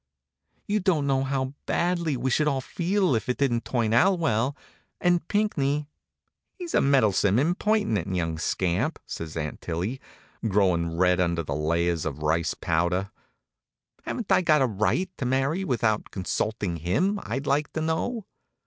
"You know how badly we should all feel if it didn't turn out well, and Pinckney " "He's a meddlesome, impertinent young scamp!" says Aunt Tillie, growin' red under the layers of rice powder. "Haven't I a right to marry without consulting him, I'd like to know?"